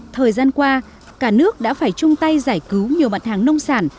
thời gian qua cả nước đã phải chung tay giải cứu nhiều mặt hàng nông sản